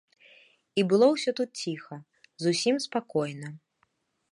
І было ўсё тут ціха, зусім спакойна.